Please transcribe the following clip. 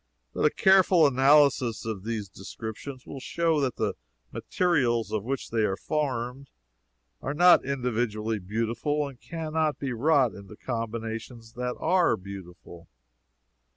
But a careful analysis of these descriptions will show that the materials of which they are formed are not individually beautiful and can not be wrought into combinations that are beautiful.